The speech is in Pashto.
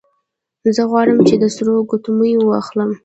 زه غواړم چې د سرو ګوتمۍ واخلم